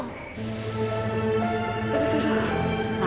tidak tidak tidak